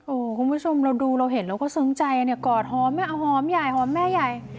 โอ้โหคุณผู้ชมเราดูเราเห็นเราก็ซึ้งใจเนี่ยกอดหอมแม่เอาหอมใหญ่หอมแม่ใหญ่